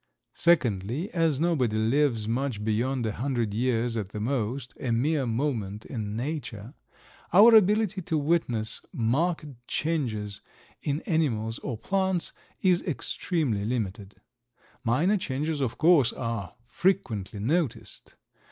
Secondly, as nobody lives much beyond a hundred years at the most—a mere moment in Nature—our ability to witness marked changes in animals or plants is extremely limited. Minor changes, of course, are frequently noticed.